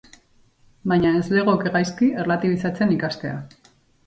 Baina ez legoke gaizki erlatibizatzen ikastea.